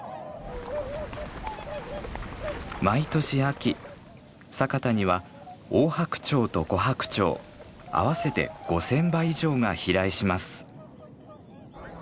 毎年秋佐潟にはオオハクチョウとコハクチョウ合わせて５，０００羽以上が飛来します。